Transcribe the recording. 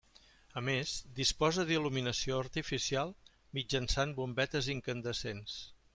A més, disposa d'il·luminació artificial mitjançant bombetes incandescents.